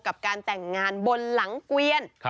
กับการแต่งงานบนหลังเกวียน